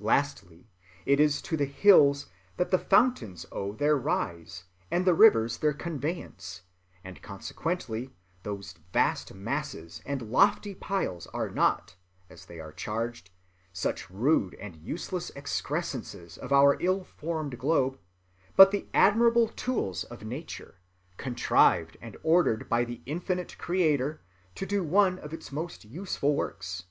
"Lastly, it is to the hills that the fountains owe their rise and the rivers their conveyance, and consequently those vast masses and lofty piles are not, as they are charged, such rude and useless excrescences of our ill‐formed globe; but the admirable tools of nature, contrived and ordered by the infinite Creator, to do one of its most useful works.